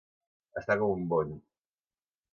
Estar com un bony.